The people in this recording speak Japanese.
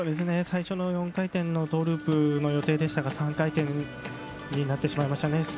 最初の４回転トーループの予定でしたが３回転になってしまいましたね。